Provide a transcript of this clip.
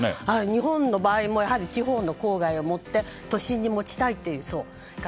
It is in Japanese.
日本の場合もやはり地方の郊外に持って都心に持ちたいという層が。